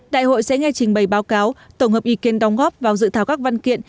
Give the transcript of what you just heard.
đại hội sẽ nghe trình bày báo cáo tổng hợp ý kiến đóng góp vào dự thảo các văn kiện